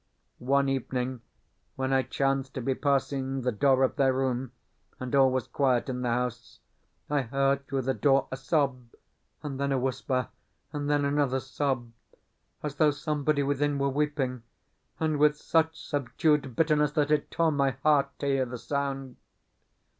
One evening when I chanced to be passing the door of their room, and all was quiet in the house, I heard through the door a sob, and then a whisper, and then another sob, as though somebody within were weeping, and with such subdued bitterness that it tore my heart to hear the sound.